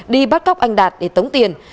đi bắt cóc anh đạt để tống tiền